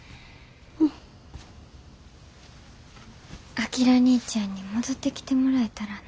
章にいちゃんに戻ってきてもらえたらな。